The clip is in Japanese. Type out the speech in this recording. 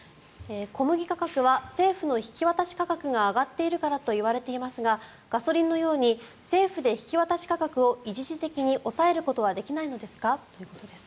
小麦価格は政府の引き渡し価格が上がったからと言われていますがガソリンのように政府で引き渡し価格を一時的に抑えることはできないのですかということです。